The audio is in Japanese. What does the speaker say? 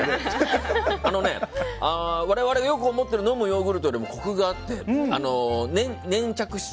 あのね、我々がよく思ってる飲むヨーグルトよりもコクがあって、粘着質。